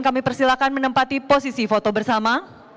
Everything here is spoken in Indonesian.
kami persilakan menempati posisi foto bersama